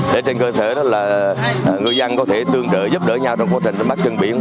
đến trên cơ sở đó là người dân có thể tương đối giúp đỡ nhau trong quá trình đánh bắt trường biển